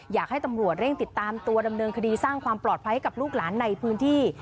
อยากให้ตำรวจเร่งติดตามตัวดำเนินคดีสร้างความปลอดภัยให้กับลูกหลานในพื้นที่